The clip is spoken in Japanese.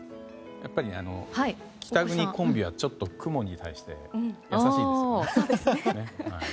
やっぱり、北国コンビはちょっと雲に対して優しいんですよね。